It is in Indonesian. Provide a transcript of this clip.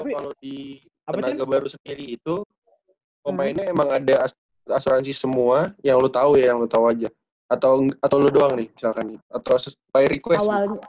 kalau di tanaga baru sendiri itu pemainnya emang ada asuransi semua yang lu tau ya yang lu tau aja atau lu doang nih misalkan nih atau sesuai request